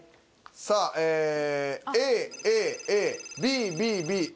さあええＡＡＡＢＢＢＡ。